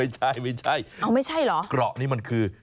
เจ้าแก่เอ้าไม่ใช่เอ้าไม่ใช่หรอ